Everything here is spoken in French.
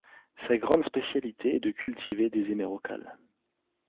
Sa grande spécialité est de cultiver des hémérocalles.